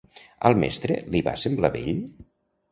Al mestre li va semblar bell?